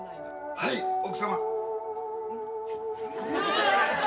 はい奥様。